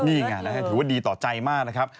นี่ไงถือว่าดีต่อใจมากนะครับ